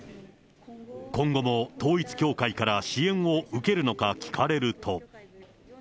今後も統一教会から支援を受けるのか聞かれると。